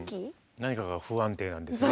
何かが不安定なんですね。